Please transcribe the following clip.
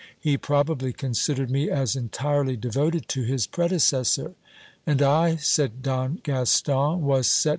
He probably considered me as entirely devoted to his predecessor. And I, said Don Gaston, was set